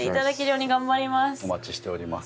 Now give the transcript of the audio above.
お待ちしております。